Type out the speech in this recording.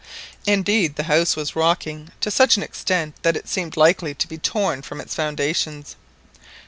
Indeed the house was rocking to such an extent that it seemed likely to be torn from its foundations.